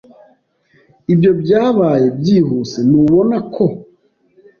Ibyo byabaye byihuse, ntubona ko?